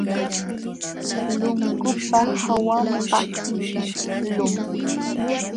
Lunkupa hawanpaq ićhiqlun.